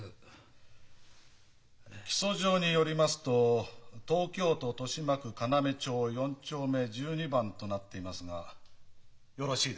起訴状によりますと東京都豊島区要町４丁目１２番となっていますがよろしいですね？